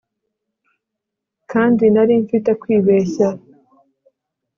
Kandi nari mfite kwibeshya